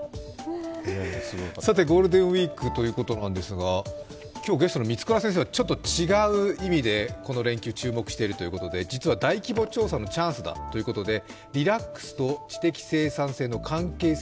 さてゴールデンウイークということなんですが、今日、ゲストの満倉先生は違う意味でこの連休、注目しているということで、大規模調査のチャンスだということです。